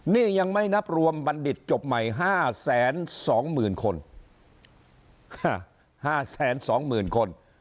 นี่ยังไม่นับรวมบัณฑิตจบใหม่ห้าแสนสองหมื่นคนห้าแสนสองหมื่นคน